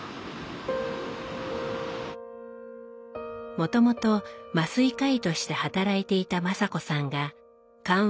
もともと麻酔科医として働いていた雅子さんが緩和